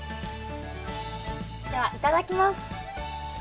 では、いただきます。